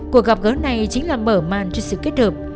cuộc gặp gỡ này chính là mở màn cho sự kết hợp